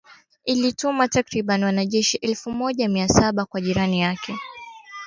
Ilituma takribani wanajeshi elfu moja mia saba kwa jirani yake